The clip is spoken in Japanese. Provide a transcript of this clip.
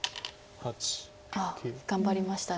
ああ頑張りました。